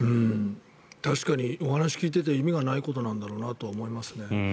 確かにお話を聞いていて意味がないことなんだろうと思います。